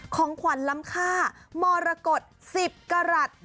ของขวัญล้ำค่ามรกฏ๑๐กรัฐ